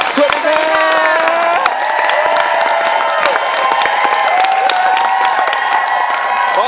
สวัสดีค่ะ